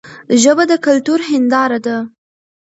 ژبه د کلتور هنداره ده.